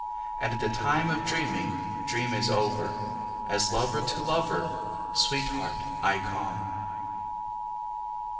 And the time of dreaming Dreams is over— As lover to lover, Sweetheart, I come.